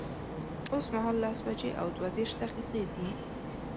اوس مهال لس بجي او دوه دیرش دقیقی دی